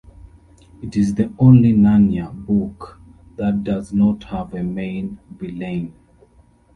It is the only Narnia book that does not have a main villain.